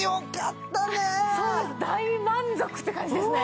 大満足って感じですね。